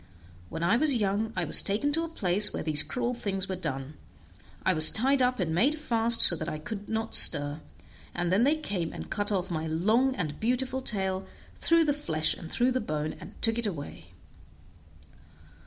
When I was young I was taken to a place where these cruel things were done; I was tied up, and made fast so that I could not stir, and then they came and cut off my long and beautiful tail, through the flesh and through the bone, and took it away.